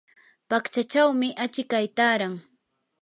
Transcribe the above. paqchachawmi achikay taaran.